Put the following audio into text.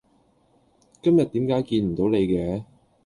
今日點解見唔到你嘅